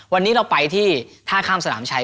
วันนี้เราไปที่ท่าข้ามสนามชัย